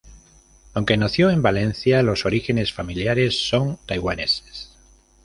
Aunque nació en Valencia, los orígenes familiares son taiwaneses.